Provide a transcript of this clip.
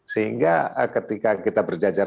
sehingga ketika kita berjajar